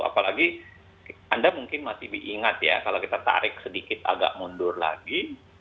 apalagi anda mungkin masih diingat ya kalau kita tarik sedikit agak mundur lagi